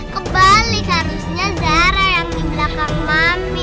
kebalik harusnya zara yang di belakang mami